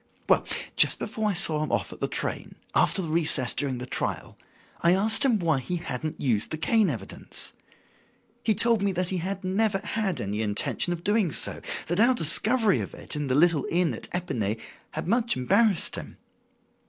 Well, just before I saw him off at the train, after the recess during the trial, I asked him why he hadn't used the cane evidence. He told me he had never had any intention of doing so; that our discovery of it in the little inn at Epinay had much embarrassed him.